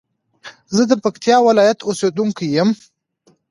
زه د پکتيا ولايت اوسېدونکى يم.